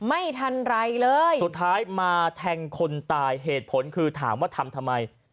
ไม่ทันไรเลยสุดท้ายมาแทงคนตายเหตุผลคือถามว่าทำทำไม